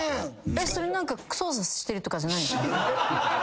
それ何か操作してるとかじゃない？